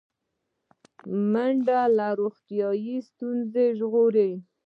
منډه له روغتیایي ستونزو ژغوري